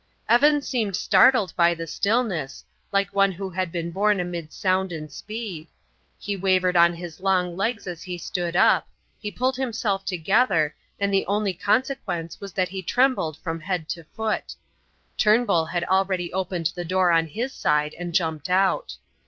Evan seemed startled by the stillness, like one who had been born amid sound and speed. He wavered on his long legs as he stood up; he pulled himself together, and the only consequence was that he trembled from head to foot. Turnbull had already opened the door on his side and jumped out.